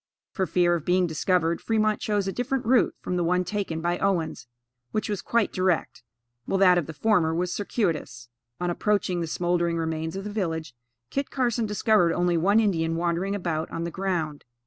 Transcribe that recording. For fear of being discovered, Fremont chose a different route from the one taken by Owens, which was quite direct, while that of the former was circuitous. On approaching the smouldering remains of the village, Kit Carson discovered only one Indian wandering about on the ground.